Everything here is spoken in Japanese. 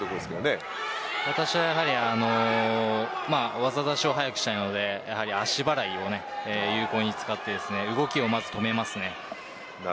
私は技だしを早くしたいので足払を有効に使って動きをまず止めます。